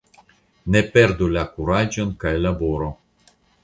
Ne perdu la kuraĝon kaj laboru!